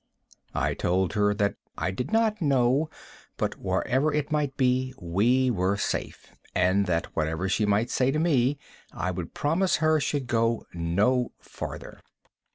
I told her that I did not know, but wherever it might be, we were safe, and that whatever she might say to me, I would promise her, should go no farther.